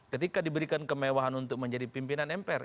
ketika diberikan kemewahan untuk menjadi pimpinan mpr